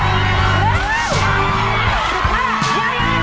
อีสี่ใบทุกนัก